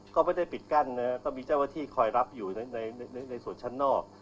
ก็ไม่ได้ปิดกั้นต้องมีเจ้าว่าที่คอยรับอยู่ในส่วนชั้นนอก